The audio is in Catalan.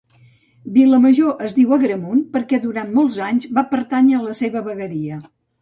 Vilamajor es diu d'Agramunt perquè durant molts anys va pertànyer a la seva vegueria.